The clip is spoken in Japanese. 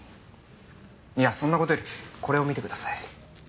そんな事よりこれを見てください。